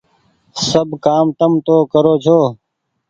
سب ڪآم تم تو ڪرو ڇو۔